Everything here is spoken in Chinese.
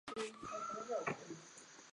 下关穴是属于足阳明胃经的腧穴。